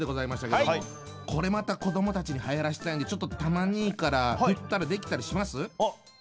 これまた子どもたちにはやらしたいんでちょっとたま兄から振ったらできたりします？